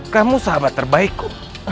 kamu sahabat terbaikku